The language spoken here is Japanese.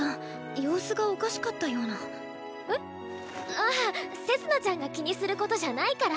ああっせつ菜ちゃんが気にすることじゃないから。